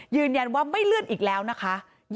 ยืนยันว่าไม่เลื่อนอีกแล้วนะคะ